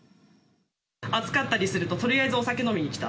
暑かったりするととりあえずお酒飲みに来た。